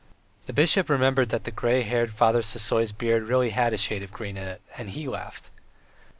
The bishop remembered that the grey headed Father Sisoy's beard really had a shade of green in it, and he laughed.